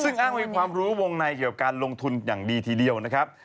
ซึ่งอ้างเป็นความรู้วงในเกี่ยวกับการลงทุนอย่างดีทีเดียวนะครับ